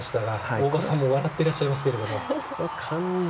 大場さんも笑ってらっしゃいますが。